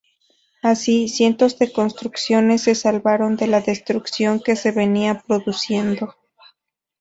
Así, cientos de construcciones se salvaron de la destrucción que se venía produciendo.